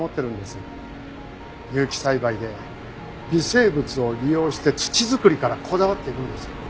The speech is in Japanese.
有機栽培で微生物を利用して土作りからこだわっているんですよね。